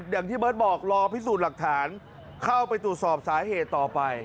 อย่างที่เบิร์ตบอกรอพิสูจน์หลักฐานเข้าไปตรวจสอบสาเหตุต่อไป